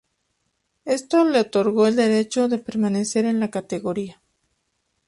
Esto le otorgó el derecho de permanecer en la categoría.